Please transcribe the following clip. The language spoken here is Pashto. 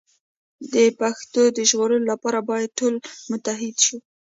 د پښتو د ژغورلو لپاره باید ټول متحد شو.